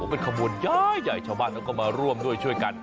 เป็นขบวนใหญ่ชาวบ้านเขาก็มาร่วมด้วยช่วยกัน